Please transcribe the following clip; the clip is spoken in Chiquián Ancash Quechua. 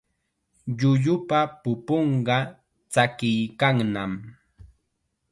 Llullupa pupunqa tsakiykannam.